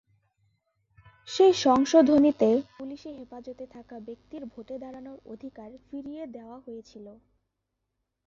সেই সংশোধনীতে পুলিশি হেফাজতে থাকা ব্যক্তির ভোটে দাঁড়ানোর অধিকার ফিরিয়ে দেওয়া হয়েছিল।